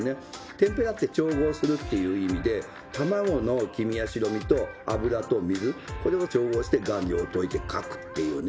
テンペラって「調合する」っていう意味で卵の黄身や白身と油と水これを調合して顔料を溶いて描くっていうね。